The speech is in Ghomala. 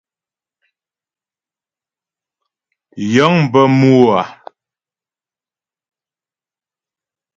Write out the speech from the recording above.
Yəŋ bə mû a.